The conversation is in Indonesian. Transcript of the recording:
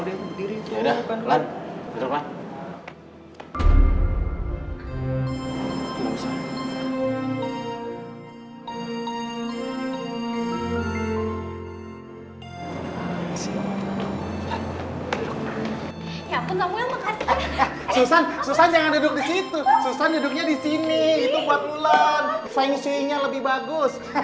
eh bukan disitu